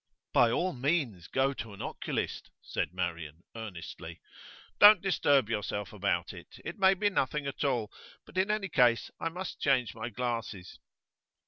'By all means go to an oculist,' said Marian, earnestly. 'Don't disturb yourself about it. It may be nothing at all. But in any case I must change my glasses.